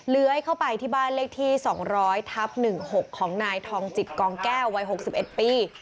เลื้อยเข้าไปที่บ้านเลขที่๒๐๐ทับ๑๖ของนายทองจิตกองแก้ววัย๖๑ปี